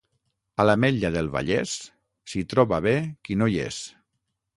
A l'Ametlla del Vallès, s'hi troba bé qui no hi és.